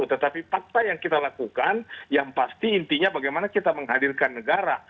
tetapi fakta yang kita lakukan yang pasti intinya bagaimana kita menghadirkan negara